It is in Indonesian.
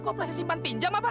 koperasi simpan pinjam apa